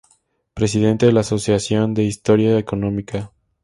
Presidente de la "Asociación de Historia Económica".